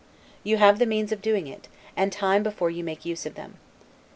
You have the means of doing it, and time before you to make use of them.